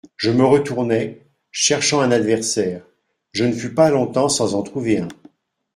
Je me retournai, cherchant un adversaire ; je ne fus pas longtemps sans en trouver un.